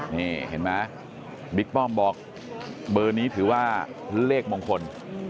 นี่เห็นไหมบิ๊กป้อมบอกเบอร์นี้ถือว่าเลขมงคล